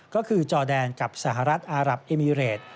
ก็คือจอแดนกับสหรัฐอารับเอมิเรต